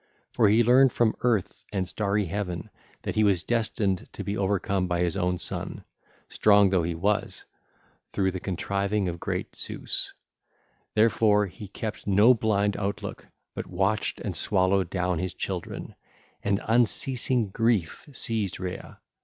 For he learned from Earth and starry Heaven that he was destined to be overcome by his own son, strong though he was, through the contriving of great Zeus 1619. Therefore he kept no blind outlook, but watched and swallowed down his children: and unceasing grief seized Rhea.